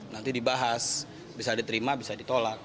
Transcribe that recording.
nanti dibahas bisa diterima bisa ditolak